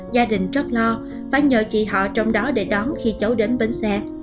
gia đình rất lo phải nhờ chị họ trong đó để đón khi cháu đến bến xe